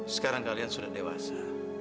sekarang kalian sudah dewasa